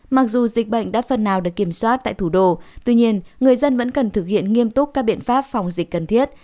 mặc dù dịch bệnh đã phần nào được kiểm soát tại thủ đô tuy nhiên người dân vẫn cần thực hiện nghiêm túc các biện pháp phòng dịch cần thiết